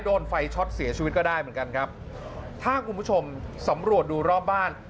โดนไฟช็อตเสียชีวิตก็ได้เหมือนกันครับถ้าคุณผู้ชมสำรวจดูรอบบ้าน